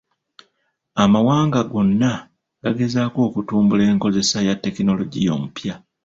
Amawanga gonna gagezaako okutumbula enkozesa ya tekinologiya omupya.